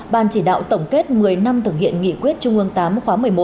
ban chỉ đạo tổng kết một mươi năm thực hiện nghị quyết trung ương tám khóa một mươi một